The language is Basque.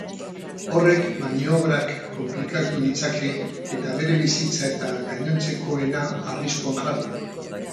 Horrek maniobrak konplikatu ditzake eta bere bizitza eta gainontzekoena arriskuan jarri.